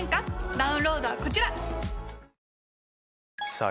ダウンロードはこちら！